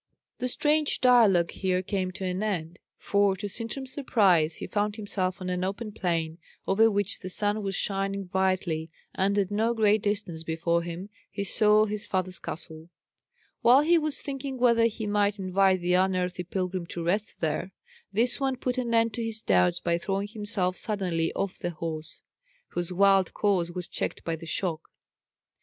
The strange dialogue here came to an end; for to Sintram's surprise he found himself on an open plain, over which the sun was shining brightly, and at no great distance before him he saw his father's castle. While he was thinking whether he might invite the unearthly pilgrim to rest there, this one put an end to his doubts by throwing himself suddenly off the horse, whose wild course was checked by the shock.